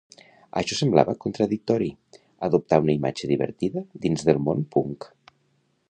Això semblava contradictori, adoptar una imatge divertida dins del món Punk.